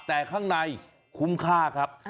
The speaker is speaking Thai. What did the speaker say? แต่ข้างในคุ้มค่าครับ